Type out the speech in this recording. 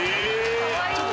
かわいい！